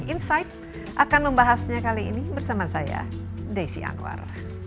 insight akan membahasnya kali ini bersama saya desi anwar